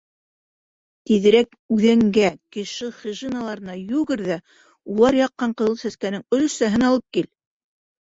— Тиҙерәк үҙәнгә — кеше хижиналарына йүгер ҙә улар яҡҡан Ҡыҙыл Сәскәнең өлөшсәһен алып кил.